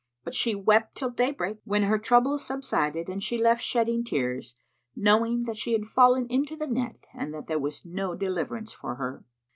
But she wept till daybreak, when her trouble subsided and she left shedding tears, knowing that she had fallen into the net and that there was no deliverance for her.